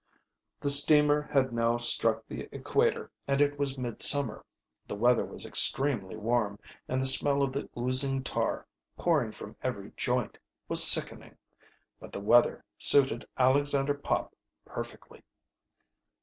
The steamer bad now struck the equator, and as it was midsummer the weather was extremely warm, and the smell of the oozing tar, pouring from every joint, was sickening. But the weather suited Alexander Pop perfectly.